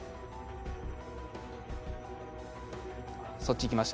そっち行きましたね。